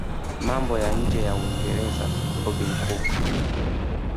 mambo ya nje wa Uingereza Robin cook